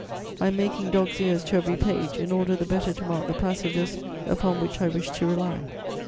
I am making dog's ears to every page, in order the better to mark the passages upon which I wish to rely.